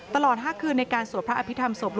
ตลอด๕คืนในการสวดพระอภิษฐรรมศพ